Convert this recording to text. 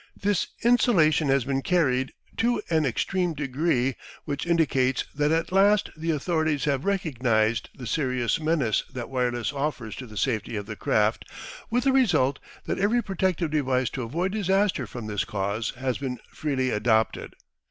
This insulation has been carried, to an extreme degree, which indicates that at last the authorities have recognised the serious menace that wireless offers to the safety of the craft, with the result that every protective device to avoid disaster from this cause has been freely adopted.